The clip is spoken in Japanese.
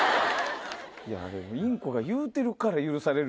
インコが言うてるから許される。